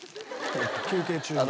休憩中に。